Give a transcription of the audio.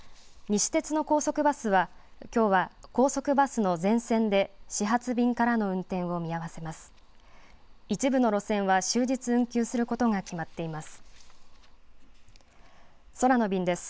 西鉄の高速バスはきょうは高速バスの全線で始発便からの運転を見合わせます。